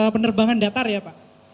penerbangan datar ya pak